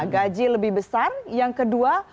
gaji lebih besar yang kedua